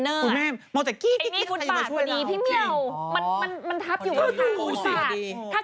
นี่ฟุตบาทพอดีพี่เมียวมันทับอยู่ข้างฟุตบาท